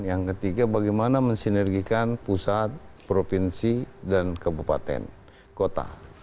yang ketiga bagaimana mensinergikan pusat provinsi dan kabupaten kota